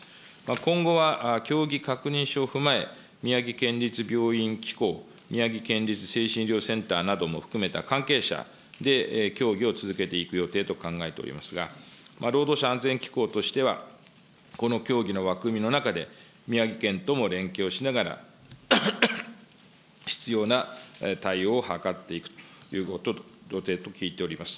今後は、協議確認書を踏まえ、宮城県立病院機構、宮城県立精神医療センターなども含めた関係者で、協議を続けていく予定と考えておりますが、労働者安全機構としては、この協議の枠組みの中で宮城県とも連携をしながら、必要な対応を図っていく予定と聞いております。